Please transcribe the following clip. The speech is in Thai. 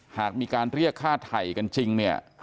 หากมีการเรียกฆ่าไถ่กันจริงเนี่ย